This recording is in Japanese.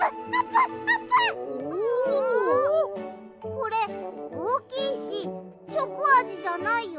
これおおきいしチョコあじじゃないよ。